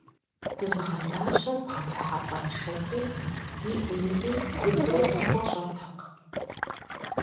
Дызыгъэлажьэр бгъэдыхьэпӏэншэти, и ӏейри ифӏри къыпхуэщӏэртэкъым.